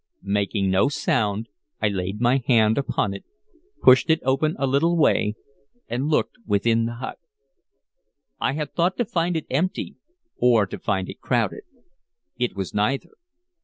Making no sound, I laid my hand upon it, pushed it open a little way, and looked within the hut. I had thought to find it empty or to find it crowded. It was neither.